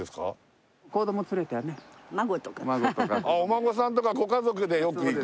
お孫さんとかご家族でよく行く？